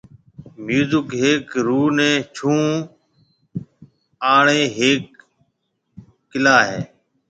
ميوزڪ هيڪ روح ني ڇُوئوڻ آݪِي هيڪ ڪلا هيَ